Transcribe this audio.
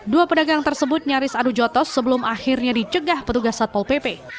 dua pedagang tersebut nyaris adu jotos sebelum akhirnya dicegah petugas satpol pp